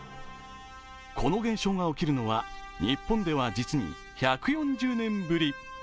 この現象が起きるのは日本では実に１４０年ぶり。